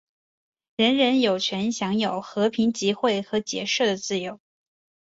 人人有权享有和平集会和结社的自由。